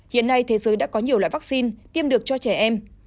hiện nay thế giới đã có nhiều loại vaccine tiêm được cho trẻ em